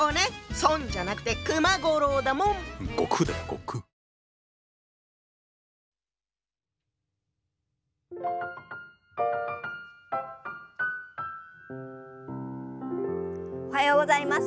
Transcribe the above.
孫じゃなくておはようございます。